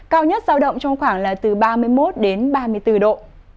cao nhất giao động trong khoảng là từ ba mươi một đến ba mươi bốn độ